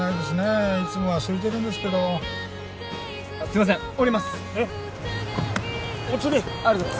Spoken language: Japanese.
すいません。